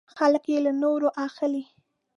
خلک یې له نورو اخلي .